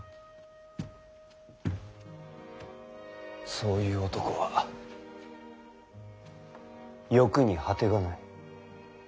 そういう男は欲に果てがない。